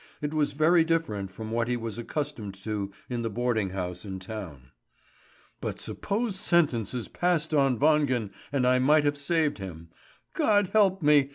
It was very different from what he was accustomed to in the boarding house in town. "But suppose sentence is passed on Wangen, and I might have saved him! God help me!